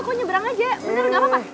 kok nyebrang aja bener gapapa